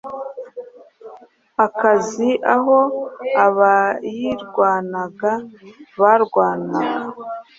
akaziaho abayirwanaga barwanaga